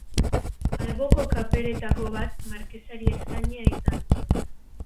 Alboko kaperetako bat Markesari eskainia izan zen.